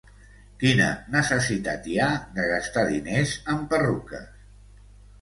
Quina necessitat hi ha de gastar diners en perruques?